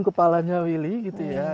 kepalanya willy gitu ya